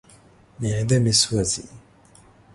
معده مې سوځي.